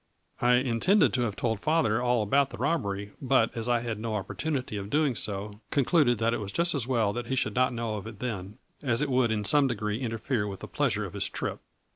I intended to have told father all about the robbery, but, as I had no opportunity of doing so, concluded that it was just as well that he should not know of it then, as it would in some degree interfere with the pleasure of his trip.